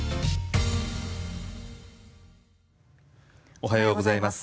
おはようございます。